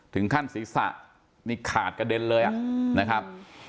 ถึงขั้นศีรษะนี่ขาดกระเด็นเลยนะครับ